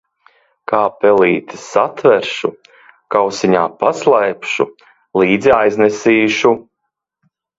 Kā pelīti satveršu, kausiņā paslēpšu, līdzi aiznesīšu.